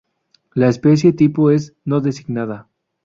La especie tipo es: no designada